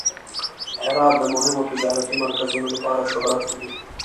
هرات د مهمو تجارتي مرکزونو لپاره شهرت لري.